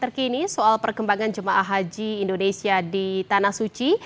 terkini soal perkembangan jemaah haji indonesia di tanah suci